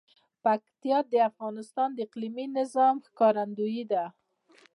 پکتیا د افغانستان د اقلیمي نظام ښکارندوی ده.